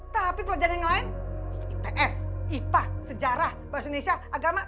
tapi pelajaran yang lain ips ipah sejarah bahasa indonesia agama